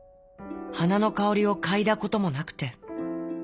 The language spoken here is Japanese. はなのかおりをかいだこともなくて。